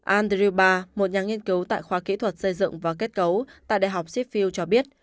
andrew barr một nhà nghiên cứu tại khoa kỹ thuật xây dựng và kết cấu tại đại học sheffield cho biết